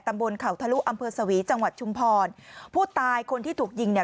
บนเขาทะลุอำเภอสวีจังหวัดชุมพรผู้ตายคนที่ถูกยิงเนี่ย